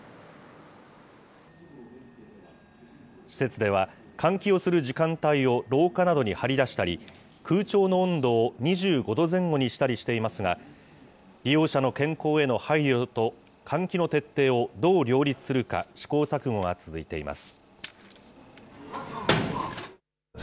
施設では、換気をする時間帯を廊下などに張り出したり、空調の温度を２５度前後にしたりしていますが、利用者の健康への配慮と換気の徹底をどう両立するか、試行錯誤が続いています。